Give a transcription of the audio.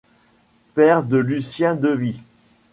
Père de Lucien Devies.